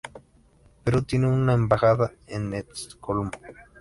Perú tiene una embajada en Estocolmo.